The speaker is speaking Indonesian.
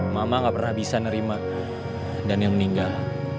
mama gak pernah bisa nerima daniel meninggal